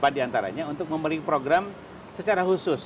empat di antaranya untuk membeli program secara khusus